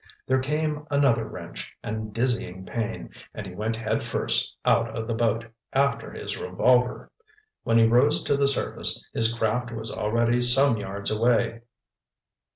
There came another wrench, and dizzying pain, and he went headfirst out of the boat, after his revolver. When he rose to the surface, his craft was already some yards away.